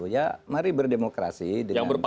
ya mari berdemokrasi dengan baik